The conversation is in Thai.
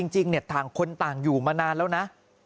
จริงต่างคนต่างอยู่มานานแล้วนะ